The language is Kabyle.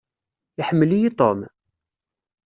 Iḥemmel-iyi Tom?